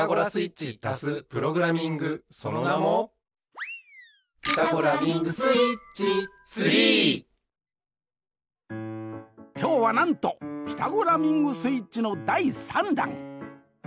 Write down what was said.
そのなもきょうはなんと「ピタゴラミングスイッチ」の第３弾！